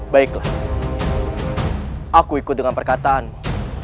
baiklah aku ikut dengan perkataanmu